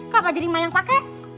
kok gak jadi emak yang pake